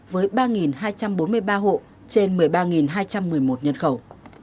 với ba hai trăm bốn mươi ba hộ trên một mươi ba hai trăm một mươi một nhân khẩu